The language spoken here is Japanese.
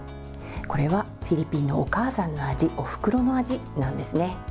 これはフィリピンのお母さんの味おふくろの味なんですね。